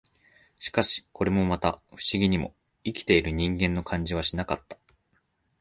しかし、これもまた、不思議にも、生きている人間の感じはしなかった